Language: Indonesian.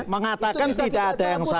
mengatakan tidak ada yang salah